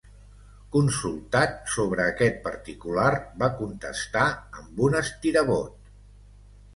Consultat sobre aquest particular, va contestar amb un estirabot.